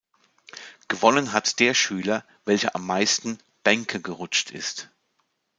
Gewonnen hat der Schüler, welcher am meisten "Bänke gerutscht" ist.